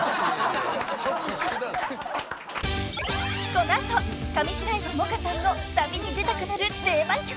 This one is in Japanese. ［この後上白石萌歌さんの旅に出たくなる定番曲］